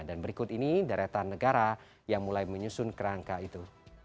dan berikut ini daratan negara yang mulai menyusun kerangka itu